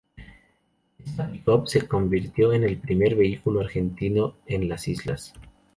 Esta pick up se convirtió en el primer vehículo argentino en las islas.